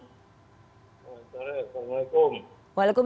selamat sore assalamualaikum